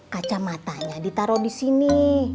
kacamatanya ditaruh di sini